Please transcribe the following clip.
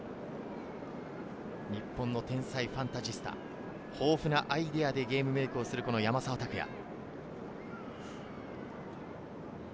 日本の天才ファンタジスタ、豊富なアイデアでゲームメークする山沢拓也。